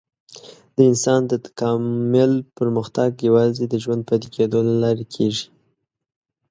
د انسان د تکامل پرمختګ یوازې د ژوندي پاتې کېدو له لارې کېږي.